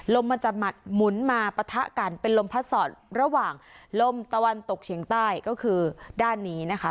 ลมมันจะหมัดหมุนมาปะทะกันเป็นลมพัดสอดระหว่างลมตะวันตกเฉียงใต้ก็คือด้านนี้นะคะ